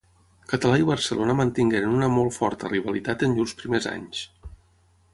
Català i Barcelona mantingueren una molt forta rivalitat en llurs primers anys.